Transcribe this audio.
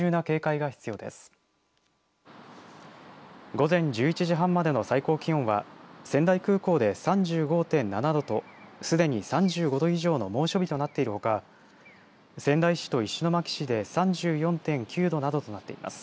午前１１時半までの最高気温は仙台空港で３５．７度とすでに３５度以上の猛暑日となっているほか仙台市と石巻市で３４．９度などとなっています。